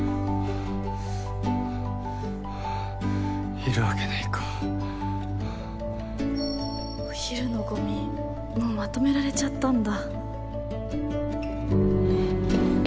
いるわけないかお昼のゴミもうまとめられちゃったんだ